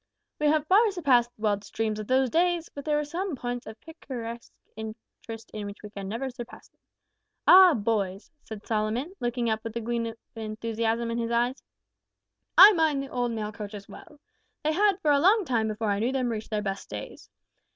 We have far surpassed the wildest dreams of those days, but there were some points of picturesque interest in which we can never surpass them. Ah! boys," said Solomon, looking up with a gleam of enthusiasm in his eyes, "I mind the old mail coaches well. They had for a long time before I knew them reached their best days.